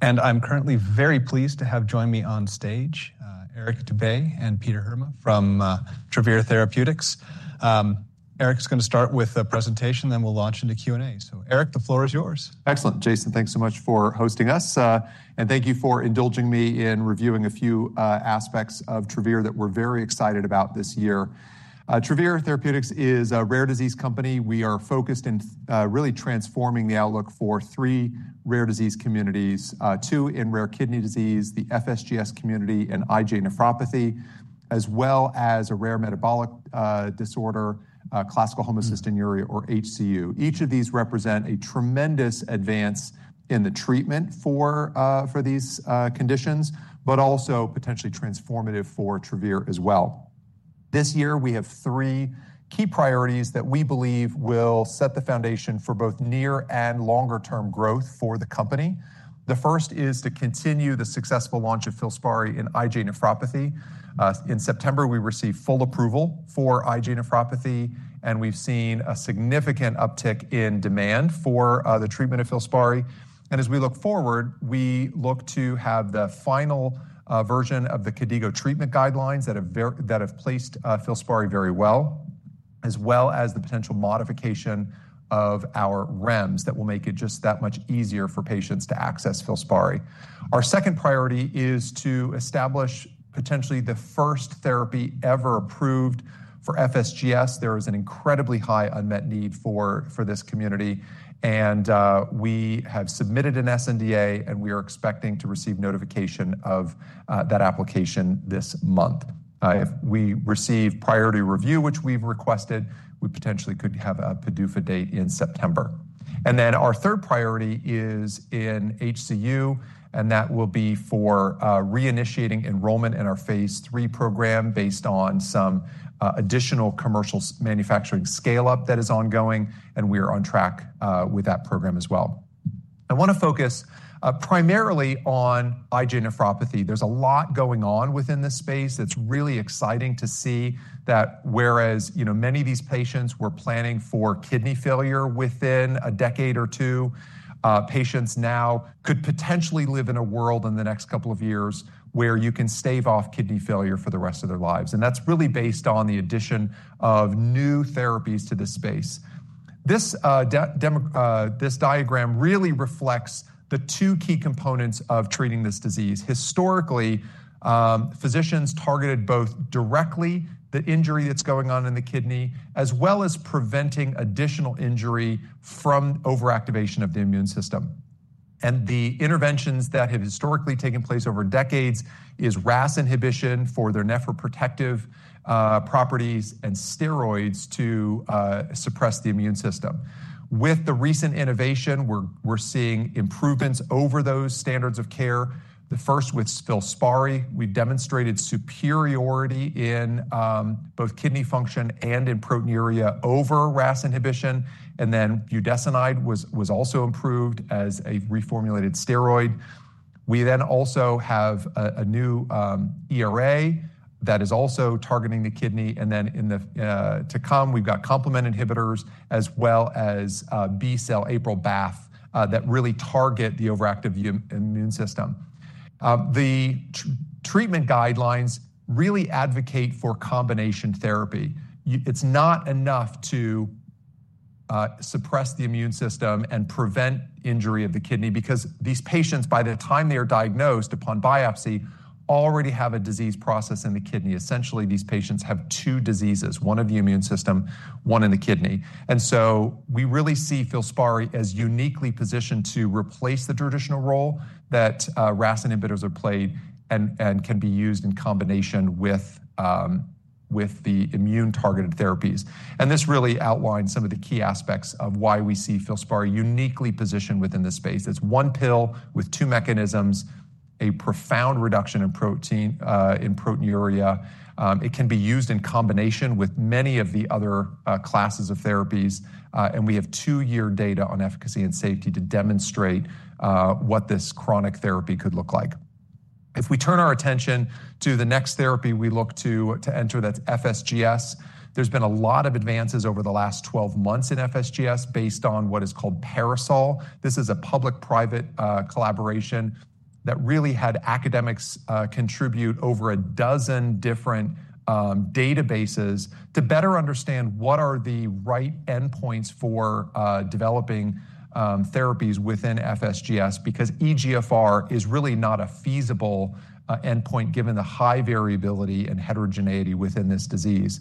I'm currently very pleased to have join me on stage, Eric Dubé and Peter Heerma from Travere Therapeutics. Eric is going to start with a presentation, then we'll launch into Q&A. Eric, the floor is yours. Excellent. Jason, thanks so much for hosting us, and thank you for indulging me in reviewing a few aspects of Travere that we're very excited about this year. Travere Therapeutics is a rare disease company. We are focused in really transforming the outlook for three rare disease communities: two in rare kidney disease, the FSGS community, and IgA nephropathy, as well as a rare metabolic disorder, Classical homocystinuria, or HCU. Each of these represents a tremendous advance in the treatment for these conditions, but also potentially transformative for Travere as well. This year, we have three key priorities that we believe will set the foundation for both near and longer-term growth for the company. The first is to continue the successful launch of FILSPARI in IgA nephropathy. In September, we received full approval for IgA nephropathy, and we've seen a significant uptick in demand for the treatment of FILSPARI. As we look forward, we look to have the final version of the KDIGO treatment guidelines that have placed FILSPARI very well, as well as the potential modification of our REMS that will make it just that much easier for patients to access FILSPARI. Our second priority is to establish potentially the first therapy ever approved for FSGS. There is an incredibly high unmet need for this community, and we have submitted an SNDA, and we are expecting to receive notification of that application this month. If we receive priority review, which we've requested, we potentially could have a PDUFA date in September. Our third priority is in HCU, and that will be for reinitiating enrollment in our phase III program based on some additional commercial manufacturing scale-up that is ongoing, and we are on track with that program as well. I want to focus primarily on IgA nephropathy. There's a lot going on within this space. It's really exciting to see that whereas many of these patients were planning for kidney failure within a decade or two, patients now could potentially live in a world in the next couple of years where you can stave off kidney failure for the rest of their lives. That's really based on the addition of new therapies to this space. This diagram really reflects the two key components of treating this disease. Historically, physicians targeted both directly the injury that's going on in the kidney, as well as preventing additional injury from overactivation of the immune system. The interventions that have historically taken place over decades are RAS inhibition for their nephroprotective properties and steroids to suppress the immune system. With the recent innovation, we're seeing improvements over those standards of care. The first with FILSPARI, we've demonstrated superiority in both kidney function and in proteinuria over RAS inhibition. Budesonide was also improved as a reformulated steroid. We then also have a new ERA that is also targeting the kidney. In the to come, we've got complement inhibitors as well as B-cell APRIL that really target the overactive immune system. The treatment guidelines really advocate for combination therapy. It's not enough to suppress the immune system and prevent injury of the kidney because these patients, by the time they are diagnosed upon biopsy, already have a disease process in the kidney. Essentially, these patients have two diseases: one of the immune system, one in the kidney. We really see FILSPARI as uniquely positioned to replace the traditional role that RAS inhibitors have played and can be used in combination with the immune-targeted therapies. This really outlines some of the key aspects of why we see FILSPARI uniquely positioned within this space. It is one pill with two mechanisms, a profound reduction in proteinuria. It can be used in combination with many of the other classes of therapies, and we have two-year data on efficacy and safety to demonstrate what this chronic therapy could look like. If we turn our attention to the next therapy we look to enter, that is FSGS. There has been a lot of advances over the last 12 months in FSGS based on what is called Parasol. This is a public-private collaboration that really had academics contribute over a dozen different databases to better understand what are the right endpoints for developing therapies within FSGS because eGFR is really not a feasible endpoint given the high variability and heterogeneity within this disease.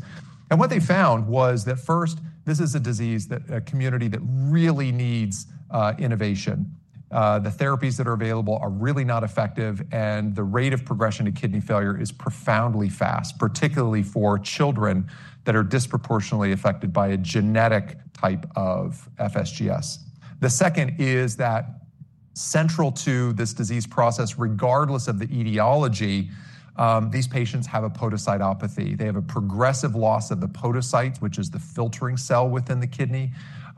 What they found was that first, this is a disease, a community that really needs innovation. The therapies that are available are really not effective, and the rate of progression to kidney failure is profoundly fast, particularly for children that are disproportionately affected by a genetic type of FSGS. The second is that central to this disease process, regardless of the etiology, these patients have a podocytopathy. They have a progressive loss of the podocytes, which is the filtering cell within the kidney,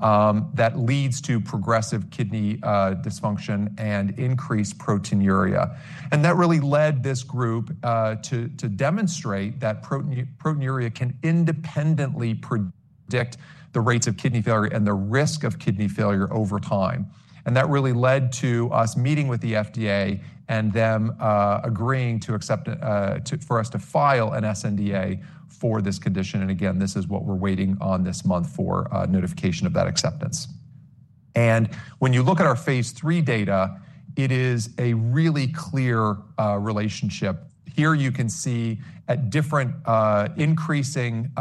that leads to progressive kidney dysfunction and increased proteinuria. That really led this group to demonstrate that proteinuria can independently predict the rates of kidney failure and the risk of kidney failure over time. That really led to us meeting with the FDA and them agreeing for us to file an SNDA for this condition. This is what we're waiting on this month for notification of that acceptance. When you look at our phase III data, it is a really clear relationship. Here you can see at different increasing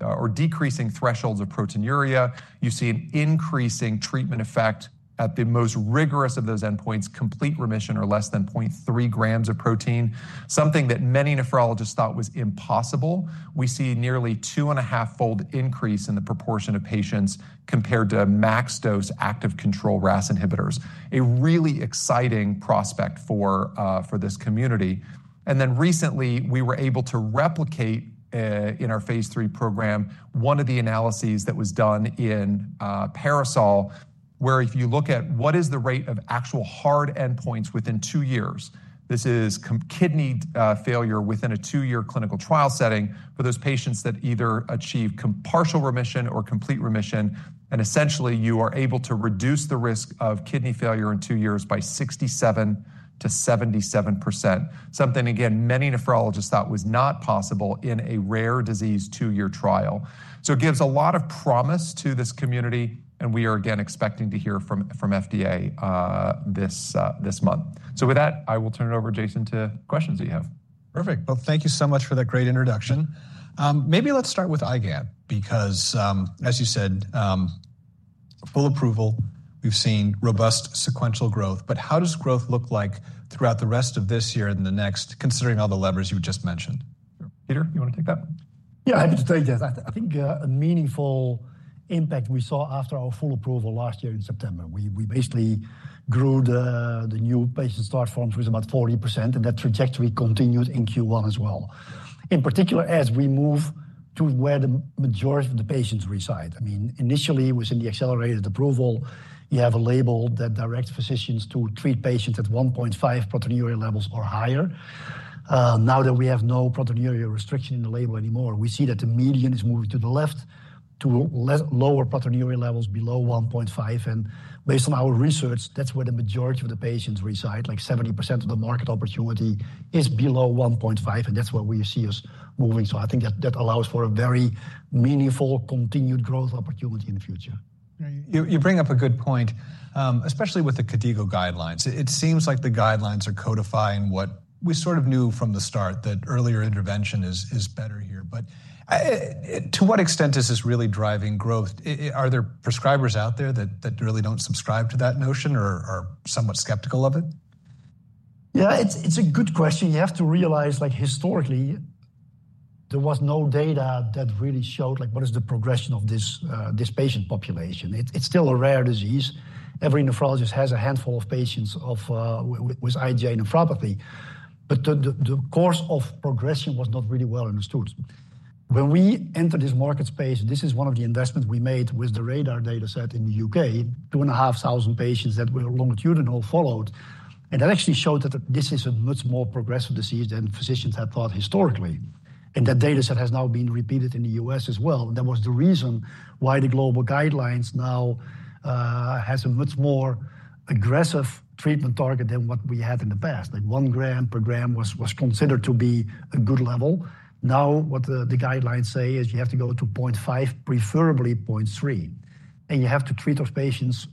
or decreasing thresholds of proteinuria, you see an increasing treatment effect at the most rigorous of those endpoints, complete remission or less than 0.3 grams of protein, something that many nephrologists thought was impossible. We see nearly two and a half fold increase in the proportion of patients compared to max dose active control RAS inhibitors, a really exciting prospect for this community. Recently, we were able to replicate in our phase III program one of the analyses that was done in Parasol, where if you look at what is the rate of actual hard endpoints within two years, this is kidney failure within a two-year clinical trial setting for those patients that either achieve partial remission or complete remission, and essentially you are able to reduce the risk of kidney failure in two years by 67-77%, something again many nephrologists thought was not possible in a rare disease two-year trial. It gives a lot of promise to this community, and we are again expecting to hear from FDA this month. With that, I will turn it over, Jason, to questions that you have. Perfect. Thank you so much for that great introduction. Maybe let's start with IgA because, as you said, full approval, we've seen robust sequential growth, but how does growth look like throughout the rest of this year and the next, considering all the levers you just mentioned? Peter, you want to take that? Yeah, I have to tell you that I think a meaningful impact we saw after our full approval last year in September. We basically grew the new patient start forms with about 40%, and that trajectory continued in Q1 as well, in particular as we move to where the majority of the patients reside. I mean, initially within the accelerated approval, you have a label that directs physicians to treat patients at 1.5 proteinuria levels or higher. Now that we have no proteinuria restriction in the label anymore, we see that the median is moving to the left to lower proteinuria levels below 1.5. And based on our research, that's where the majority of the patients reside, like 70% of the market opportunity is below 1.5, and that's where we see us moving. So I think that allows for a very meaningful continued growth opportunity in the future. You bring up a good point, especially with the KDIGO guidelines. It seems like the guidelines are codifying what we sort of knew from the start, that earlier intervention is better here. To what extent is this really driving growth? Are there prescribers out there that really do not subscribe to that notion or are somewhat skeptical of it? Yeah, it's a good question. You have to realize like historically there was no data that really showed like what is the progression of this patient population. It's still a rare disease. Every nephrologist has a handful of patients with IgA nephropathy, but the course of progression was not really well understood. When we entered this market space, this is one of the investments we made with the radar data set in the U.K., two and a half thousand patients that were longitudinally followed, and that actually showed that this is a much more progressive disease than physicians had thought historically. That data set has now been repeated in the U.S. as well. That was the reason why the global guidelines now have a much more aggressive treatment target than what we had in the past. Like one gram per gram was considered to be a good level. Now what the guidelines say is you have to go to 0.5, preferably 0.3, and you have to treat those patients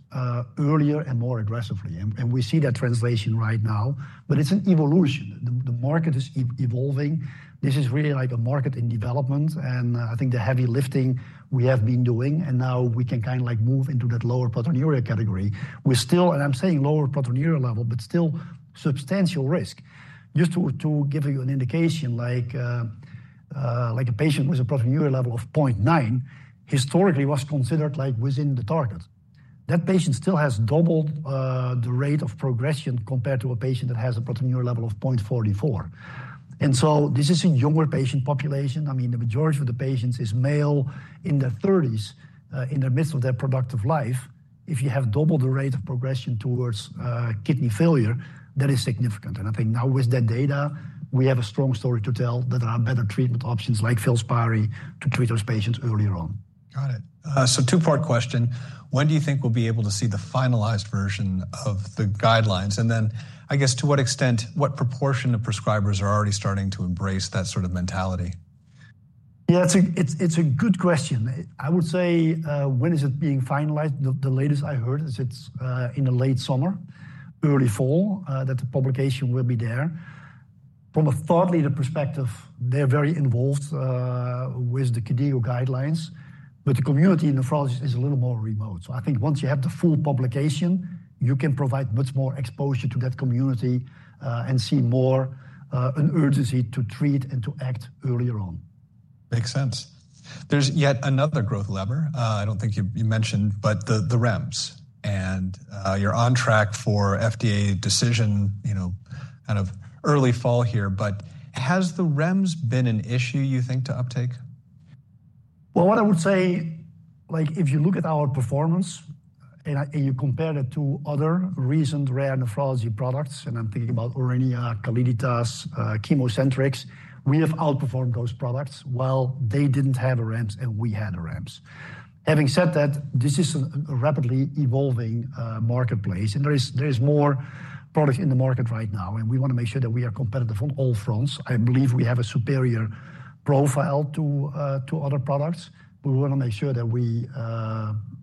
earlier and more aggressively. We see that translation right now, but it's an evolution. The market is evolving. This is really like a market in development, and I think the heavy lifting we have been doing, and now we can kind of like move into that lower proteinuria category. We're still, and I'm saying lower proteinuria level, but still substantial risk. Just to give you an indication, like a patient with a proteinuria level of 0.9 historically was considered like within the target. That patient still has doubled the rate of progression compared to a patient that has a proteinuria level of 0.44. This is a younger patient population. I mean, the majority of the patients is male in their 30s, in their midst of their productive life. If you have doubled the rate of progression towards kidney failure, that is significant. I think now with that data, we have a strong story to tell that there are better treatment options like FILSPARI to treat those patients earlier on. Got it. Two-part question. When do you think we'll be able to see the finalized version of the guidelines? I guess to what extent, what proportion of prescribers are already starting to embrace that sort of mentality? Yeah, it's a good question. I would say when is it being finalized? The latest I heard is it's in the late summer, early fall that the publication will be there. From a thought leader perspective, they're very involved with the KDIGO guidelines, but the community in nephrology is a little more remote. I think once you have the full publication, you can provide much more exposure to that community and see more an urgency to treat and to act earlier on. Makes sense. There's yet another growth lever. I don't think you mentioned, but the REMS. You're on track for FDA decision, you know, kind of early fall here. Has the REMS been an issue, you think, to uptake? If you look at our performance and you compare it to other recent rare nephrology products, and I'm thinking about Aurinia, Calliditas, ChemoCentryx, we have outperformed those products while they did not have a REMS and we had a REMS. Having said that, this is a rapidly evolving marketplace, and there is more product in the market right now, and we want to make sure that we are competitive on all fronts. I believe we have a superior profile to other products. We want to make sure that we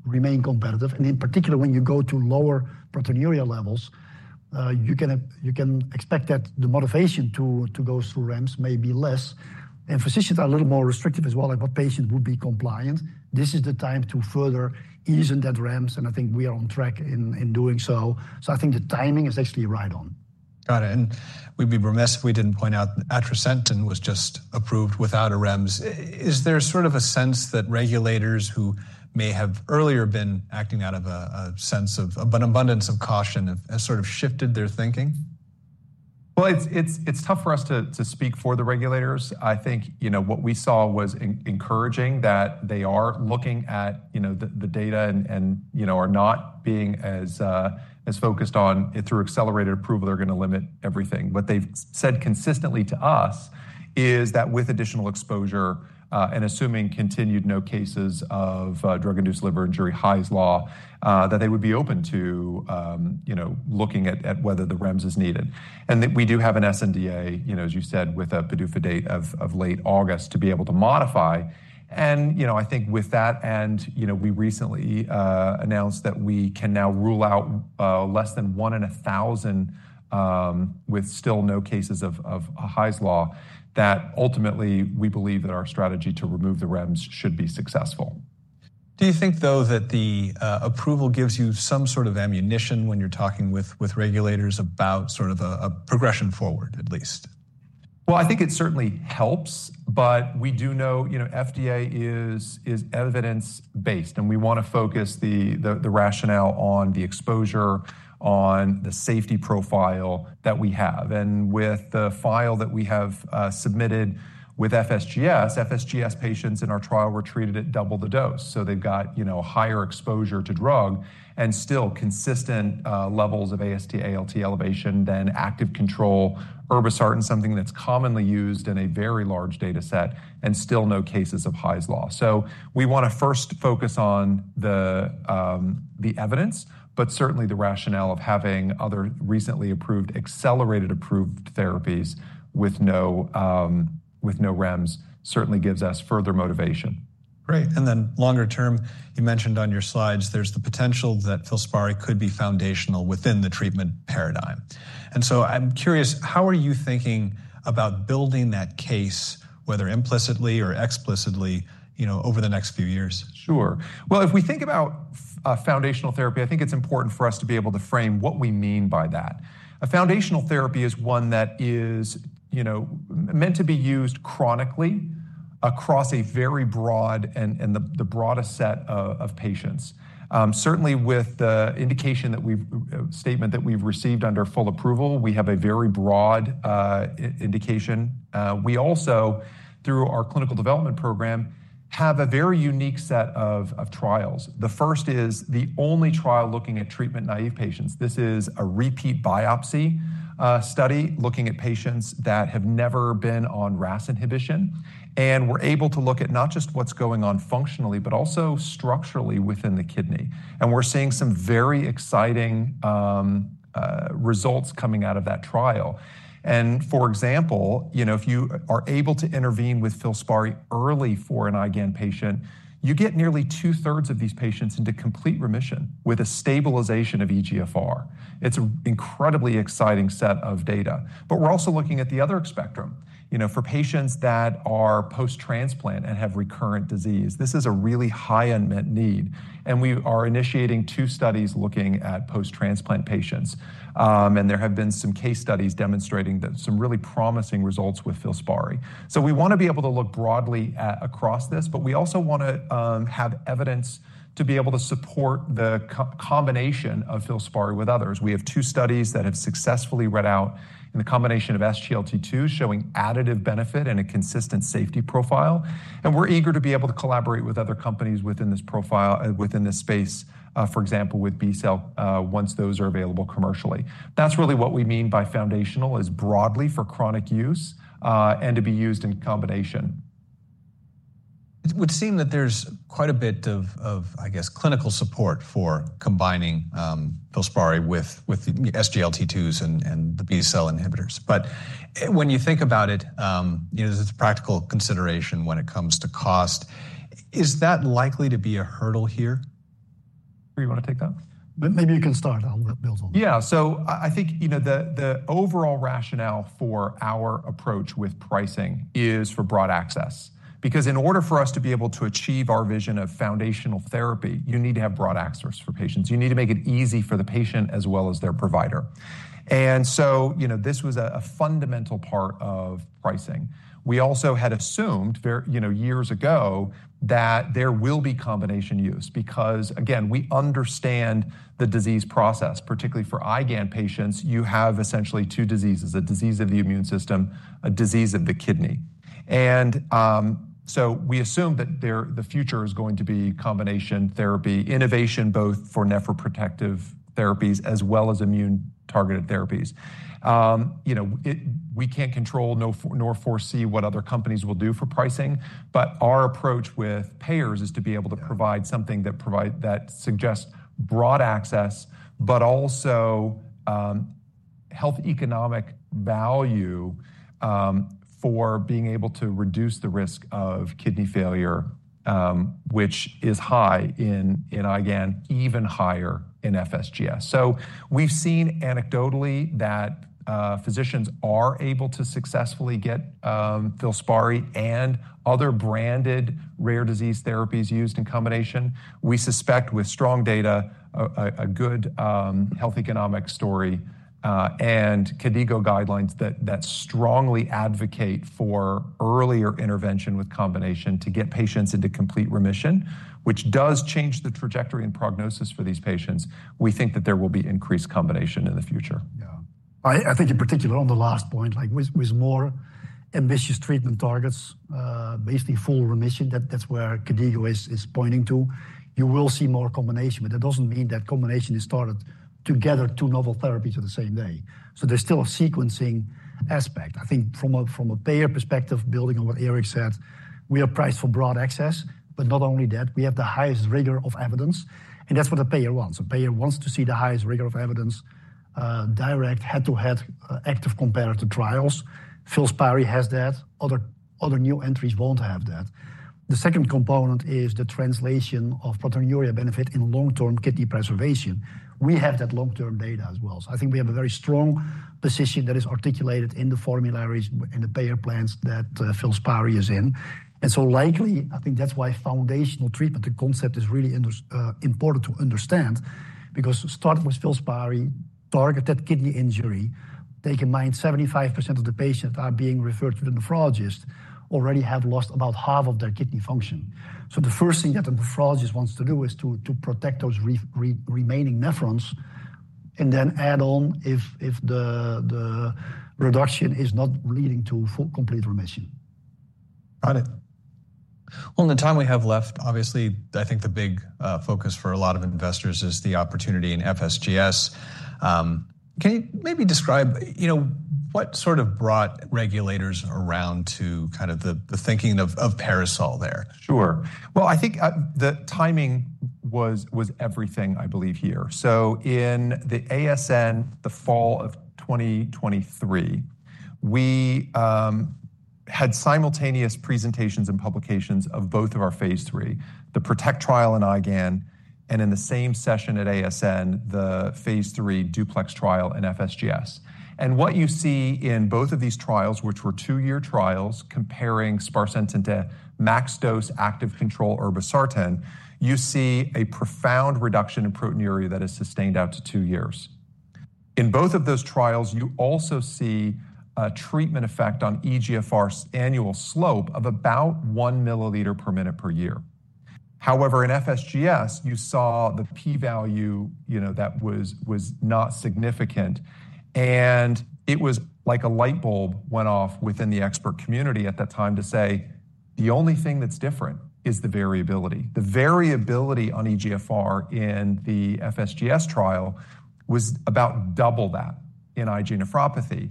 remain competitive. In particular, when you go to lower proteinuria levels, you can expect that the motivation to go through REMS may be less. Physicians are a little more restrictive as well, like what patient would be compliant. This is the time to further ease into that REMS, and I think we are on track in doing so. I think the timing is actually right on. Got it. We'd be remiss if we didn't point out that Atrasentan was just approved without a REMS. Is there sort of a sense that regulators who may have earlier been acting out of an abundance of caution have sort of shifted their thinking? It's tough for us to speak for the regulators. I think, you know, what we saw was encouraging that they are looking at, you know, the data and, you know, are not being as focused on it through accelerated approval, they're going to limit everything. What they've said consistently to us is that with additional exposure and assuming continued no cases of drug-induced liver injury, Hy's Law, that they would be open to, you know, looking at whether the REMS is needed. And that we do have an SNDA, you know, as you said, with a PDUFA date of late August to be able to modify. You know, I think with that, you know, we recently announced that we can now rule out less than one in a thousand with still no cases of Hy's Law, that ultimately we believe that our strategy to remove the REMS should be successful. Do you think though that the approval gives you some sort of ammunition when you're talking with regulators about sort of a progression forward at least? I think it certainly helps, but we do know, you know, FDA is evidence-based, and we want to focus the rationale on the exposure, on the safety profile that we have. With the file that we have submitted with FSGS, FSGS patients in our trial were treated at double the dose. They have, you know, higher exposure to drug and still consistent levels of AST-ALT elevation than active control Irbesartan, something that is commonly used in a very large data set, and still no cases of Hy's Law. We want to first focus on the evidence, but certainly the rationale of having other recently approved accelerated approved therapies with no REMS certainly gives us further motivation. Great. Then longer term, you mentioned on your slides, there's the potential that FILSPARI could be foundational within the treatment paradigm. I'm curious, how are you thinking about building that case, whether implicitly or explicitly, you know, over the next few years? Sure. If we think about foundational therapy, I think it's important for us to be able to frame what we mean by that. A foundational therapy is one that is, you know, meant to be used chronically across a very broad and the broadest set of patients. Certainly with the indication that we've statement that we've received under full approval, we have a very broad indication. We also, through our clinical development program, have a very unique set of trials. The first is the only trial looking at treatment naive patients. This is a repeat biopsy study looking at patients that have never been on RAS inhibition, and we're able to look at not just what's going on functionally, but also structurally within the kidney. We're seeing some very exciting results coming out of that trial. For example, you know, if you are able to intervene with FILSPARI early for an IgA patient, you get nearly two-thirds of these patients into complete remission with a stabilization of eGFR. It's an incredibly exciting set of data. We are also looking at the other spectrum, you know, for patients that are post-transplant and have recurrent disease. This is a really high unmet need, and we are initiating two studies looking at post-transplant patients. There have been some case studies demonstrating some really promising results with FILSPARI. We want to be able to look broadly across this, but we also want to have evidence to be able to support the combination of FILSPARI with others. We have two studies that have successfully read out in the combination of SGLT2 showing additive benefit and a consistent safety profile. We are eager to be able to collaborate with other companies within this profile, within this space, for example, with B-cell once those are available commercially. That is really what we mean by foundational, is broadly for chronic use and to be used in combination. It would seem that there's quite a bit of, I guess, clinical support for combining FILSPARI with the SGLT2s and the B-cell inhibitors. But when you think about it, you know, there's a practical consideration when it comes to cost. Is that likely to be a hurdle here? Do you want to take that? Maybe you can start. I'll let Bill talk. Yeah. So I think, you know, the overall rationale for our approach with pricing is for broad access because in order for us to be able to achieve our vision of foundational therapy, you need to have broad access for patients. You need to make it easy for the patient as well as their provider. This was a fundamental part of pricing. We also had assumed, you know, years ago that there will be combination use because, again, we understand the disease process, particularly for IgA patients, you have essentially two diseases, a disease of the immune system, a disease of the kidney. We assume that the future is going to be combination therapy innovation, both for nephroprotective therapies as well as immune targeted therapies. You know, we can't control nor foresee what other companies will do for pricing, but our approach with payers is to be able to provide something that suggests broad access, but also health economic value for being able to reduce the risk of kidney failure, which is high in IgA and even higher in FSGS. We've seen anecdotally that physicians are able to successfully get FILSPARI and other branded rare disease therapies used in combination. We suspect with strong data, a good health economic story and KDIGO guidelines that strongly advocate for earlier intervention with combination to get patients into complete remission, which does change the trajectory and prognosis for these patients. We think that there will be increased combination in the future. Yeah. I think in particular on the last point, like with more ambitious treatment targets, basically full remission, that's where KDIGO is pointing to. You will see more combination, but that does not mean that combination is started together, two novel therapies at the same day. There is still a sequencing aspect. I think from a payer perspective, building on what Eric said, we are priced for broad access, but not only that, we have the highest rigor of evidence, and that is what the payer wants. The payer wants to see the highest rigor of evidence, direct, head-to-head active comparative trials. FILSPARI has that. Other new entries will not have that. The second component is the translation of proteinuria benefit in long-term kidney preservation. We have that long-term data as well. I think we have a very strong position that is articulated in the formularies and the payer plans that FILSPARI is in. Likely, I think that's why foundational treatment, the concept is really important to understand because starting with FILSPARI, targeted kidney injury, take in mind 75% of the patients that are being referred to the nephrologist already have lost about half of their kidney function. The first thing that the nephrologist wants to do is to protect those remaining nephrons and then add on if the reduction is not leading to full complete remission. Got it. In the time we have left, obviously, I think the big focus for a lot of investors is the opportunity in FSGS. Can you maybe describe, you know, what sort of brought regulators around to kind of the thinking of Parasol there? Sure. I think the timing was everything, I believe, here. In the ASN, the fall of 2023, we had simultaneous presentations and publications of both of our phase three, the PROTECT trial in IgA, and in the same session at ASN, the phase three DUPLEX trial in FSGS. What you see in both of these trials, which were two-year trials, comparing Sparsentan to max dose active control Irbesartan, you see a profound reduction in proteinuria that is sustained out to two years. In both of those trials, you also see a treatment effect on eGFR's annual slope of about 1 milliliter per minute per year. However, in FSGS, you saw the p-value, you know, that was not significant, and it was like a light bulb went off within the expert community at that time to say the only thing that's different is the variability. The variability on eGFR in the FSGS trial was about double that in IgA nephropathy.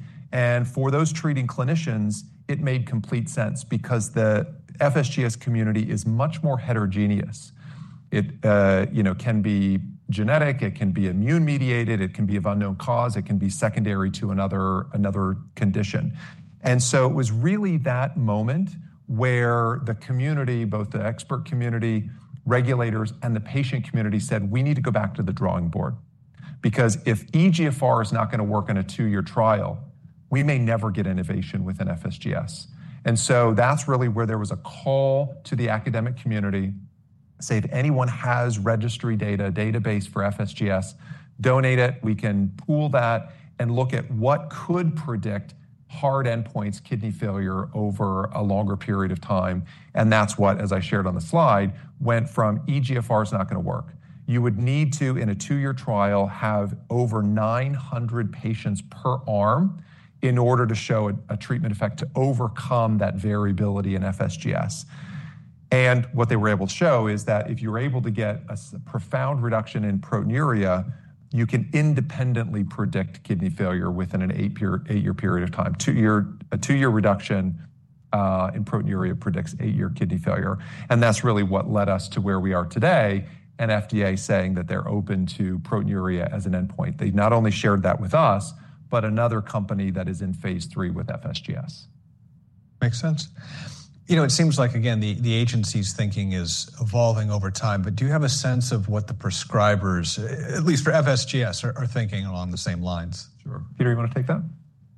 For those treating clinicians, it made complete sense because the FSGS community is much more heterogeneous. It, you know, can be genetic, it can be immune mediated, it can be of unknown cause, it can be secondary to another condition. It was really that moment where the community, both the expert community, regulators, and the patient community said, we need to go back to the drawing board because if eGFR is not going to work in a two-year trial, we may never get innovation within FSGS. That is really where there was a call to the academic community, say, if anyone has registry data, database for FSGS, donate it, we can pool that and look at what could predict hard endpoints, kidney failure over a longer period of time. As I shared on the slide, went from eGFR is not going to work. You would need to, in a two-year trial, have over 900 patients per arm in order to show a treatment effect to overcome that variability in FSGS. What they were able to show is that if you were able to get a profound reduction in proteinuria, you can independently predict kidney failure within an eight-year period of time. A two-year reduction in proteinuria predicts eight-year kidney failure. That is really what led us to where we are today and FDA saying that they are open to proteinuria as an endpoint. They not only shared that with us, but another company that is in phase three with FSGS. Makes sense. You know, it seems like, again, the agency's thinking is evolving over time, but do you have a sense of what the prescribers, at least for FSGS, are thinking along the same lines? Sure. Peter, you want to take that?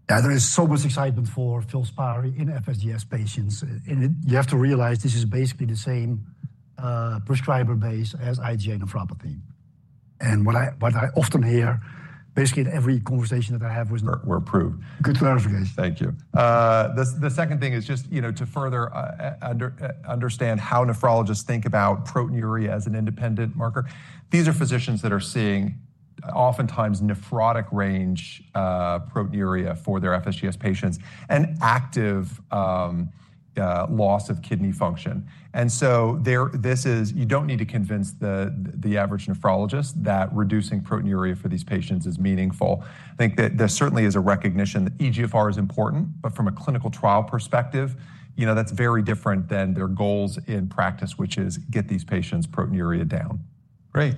Yeah, there is so much excitement for FILSPARI in FSGS patients. You have to realize this is basically the same prescriber base as IgA nephropathy. What I often hear, basically in every conversation that I have. Were approved. Good clarification. Thank you. The second thing is just, you know, to further understand how nephrologists think about proteinuria as an independent marker. These are physicians that are seeing oftentimes nephrotic range proteinuria for their FSGS patients and active loss of kidney function. This is, you do not need to convince the average nephrologist that reducing proteinuria for these patients is meaningful. I think that there certainly is a recognition that eGFR is important, but from a clinical trial perspective, you know, that is very different than their goals in practice, which is get these patients' proteinuria down. Great.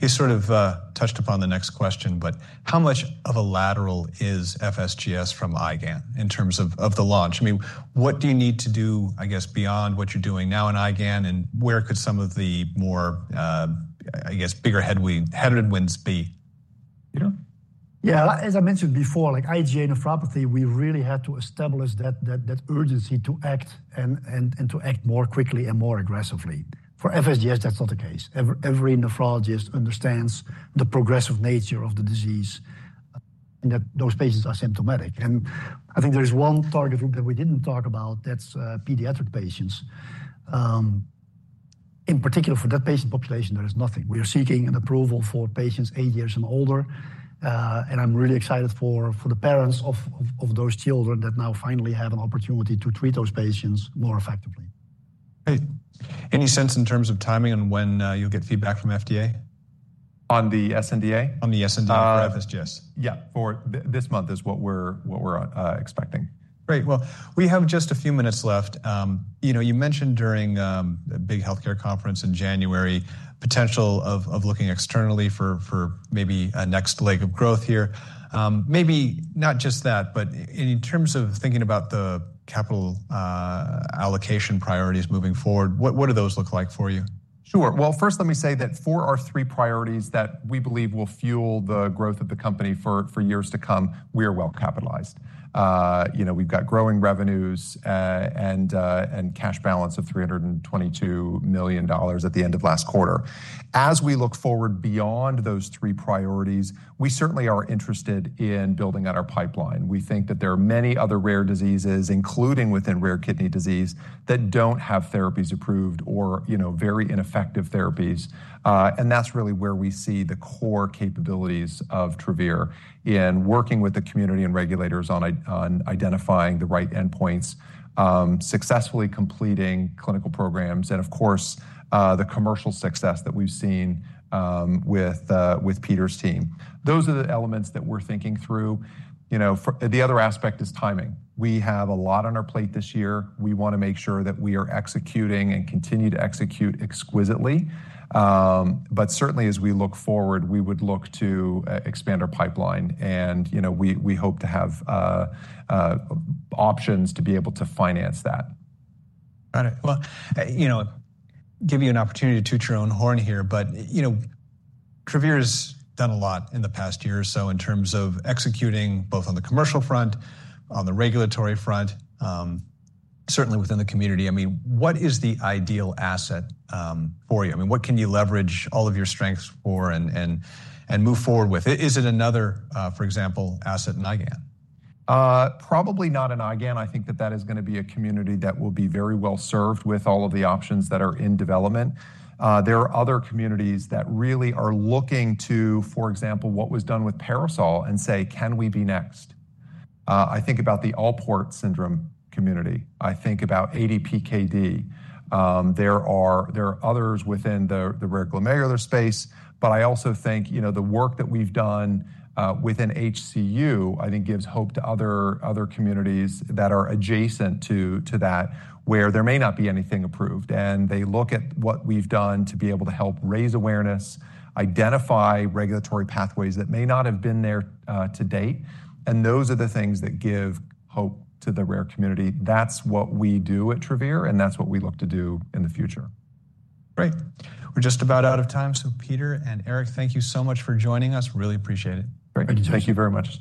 You sort of touched upon the next question, but how much of a lateral is FSGS from IgA in terms of the launch? I mean, what do you need to do, I guess, beyond what you're doing now in IgA and where could some of the more, I guess, bigger headed wins be? You know, yeah, as I mentioned before, like IgA nephropathy, we really had to establish that urgency to act and to act more quickly and more aggressively. For FSGS, that's not the case. Every nephrologist understands the progressive nature of the disease and that those patients are symptomatic. I think there is one target group that we didn't talk about that's pediatric patients. In particular, for that patient population, there is nothing. We are seeking approval for patients eight years and older, and I'm really excited for the parents of those children that now finally have an opportunity to treat those patients more effectively. Great. Any sense in terms of timing on when you'll get feedback from FDA? On the SNDA? On the SNDA for FSGS. Yeah, for this month is what we're expecting. Great. We have just a few minutes left. You know, you mentioned during the big healthcare conference in January, potential of looking externally for maybe a next leg of growth here. Maybe not just that, but in terms of thinking about the capital allocation priorities moving forward, what do those look like for you? Sure. First, let me say that for our three priorities that we believe will fuel the growth of the company for years to come, we are well capitalized. You know, we've got growing revenues and Cash balance of $322 million at the end of last quarter. As we look forward beyond those three priorities, we certainly are interested in building out our pipeline. We think that there are many other rare diseases, including within rare kidney disease, that do not have therapies approved or, you know, very ineffective therapies. That is really where we see the core capabilities of Travere in working with the community and regulators on identifying the right endpoints, successfully completing clinical programs, and of course, the commercial success that we've seen with Peter's team. Those are the elements that we're thinking through. You know, the other aspect is timing. We have a lot on our plate this year. We want to make sure that we are executing and continue to execute exquisitely. Certainly, as we look forward, we would look to expand our pipeline. And, you know, we hope to have options to be able to finance that. Got it. You know, give you an opportunity to two your own horn here, but, you know, Travere has done a lot in the past year or so in terms of executing both on the commercial front, on the regulatory front, certainly within the community. I mean, what is the ideal asset for you? I mean, what can you leverage all of your strengths for and move forward with? Is it another, for example, asset in IgA? Probably not in IgA. I think that that is going to be a community that will be very well served with all of the options that are in development. There are other communities that really are looking to, for example, what was done with Parasol and say, can we be next? I think about the Alport Syndrome Community. I think about ADPKD. There are others within the rare glomerular space, but I also think, you know, the work that we've done within HCU, I think gives hope to other communities that are adjacent to that where there may not be anything approved. They look at what we've done to be able to help raise awareness, identify regulatory pathways that may not have been there to date. Those are the things that give hope to the rare community. That's what we do at Travere, and that's what we look to do in the future. Great. We're just about out of time. So Peter and Eric, thank you so much for joining us. Really appreciate it. Thank you very much.